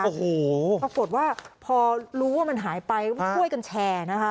ก็โปรดว่าพอรู้ว่ามันหายไปค่อยกันแชร์นะคะ